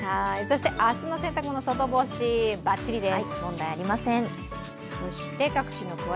明日の洗濯物、外干しバッチリです。